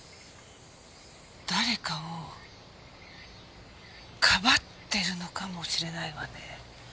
誰かをかばってるのかもしれないわね。